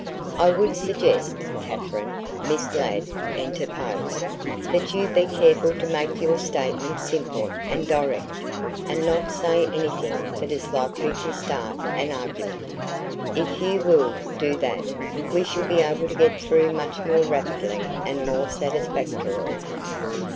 "I would suggest, Katherine," Miss Ladd interposed, "that you be careful to make your statement simple and direct and not say anything that is likely to start an argument. If you will do that we shall be able to get through much more rapidly and more satisfactorily."